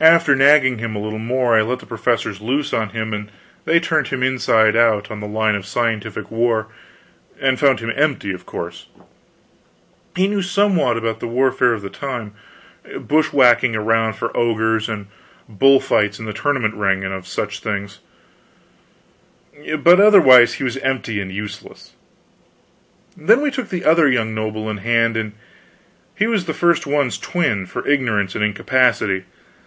After nagging him a little more, I let the professors loose on him and they turned him inside out, on the line of scientific war, and found him empty, of course. He knew somewhat about the warfare of the time bushwhacking around for ogres, and bull fights in the tournament ring, and such things but otherwise he was empty and useless. Then we took the other young noble in hand, and he was the first one's twin, for ignorance and incapacity.